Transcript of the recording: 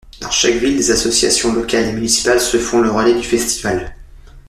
Dans chaque ville, des associations locales et municipales se font le relais du festival.